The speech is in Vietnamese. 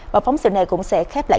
và phóng sự này cũng sẽ khép lại